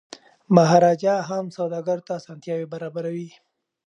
مهاراجا هم سوداګرو ته اسانتیاوي برابروي.